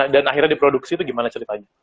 dan akhirnya diproduksi itu gimana ceritanya